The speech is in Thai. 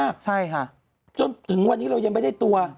โดนถึงวันนี้เรายังไม่ได้ตัว